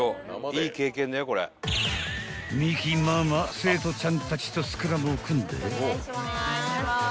［未来ママ生徒ちゃんたちとスクラムを組んで］